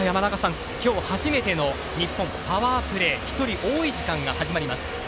今日初めての日本、パワープレー、１人多い時間が始まります。